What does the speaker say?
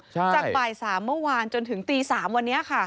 จากบ่าย๓เมื่อวานจนถึงตี๓วันนี้ค่ะ